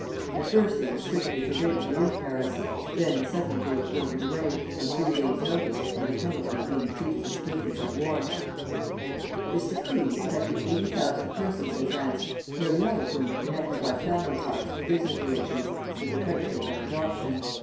At first they were strictly forbidden to leave Paris; then suddenly they were ordered away, on three days' notice, under penalty of being treated as prisoners of war. This decree affected eighty thousand persons in France, nearly all of whom were connected by family ties or business relations with the country of their adoption.